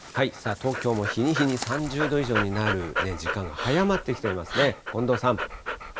東京も日に日に３０度以上になる時間が早まってきていますね。